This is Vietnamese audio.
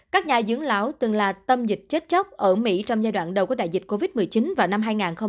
các nhà dưỡng lão từng là tâm dịch chết chóc ở mỹ trong giai đoạn đầu của đại dịch covid một mươi chín vào năm hai nghìn hai mươi